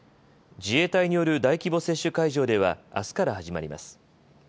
自衛隊による大規模接種会場ではあすから始まります。